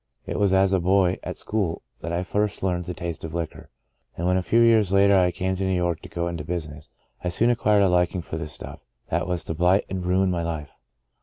It was as a boy at school that I first learned the taste of liquor, and when a few years later I came to New York to go into business, I soon acquired a liking for the stuff that was to blight and ruin my life.